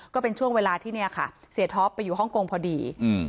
ก็เป็นช่วงเวลาที่เนี่ยค่ะเสียท็อปไปอยู่ฮ่องกงพอดี